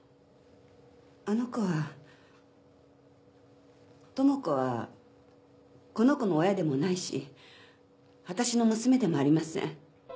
あの子は智子はこの子の親でもないし私の娘でもありません。